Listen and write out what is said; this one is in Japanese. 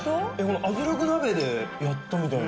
圧力鍋でやったみたいな。